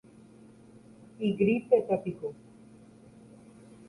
igrípetapiko